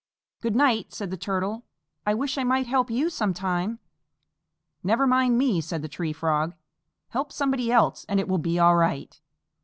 "Good night!" said the Turtle. "I wish I might help you some time." "Never mind me," said the Tree Frog. "Help somebody else and it will be all right."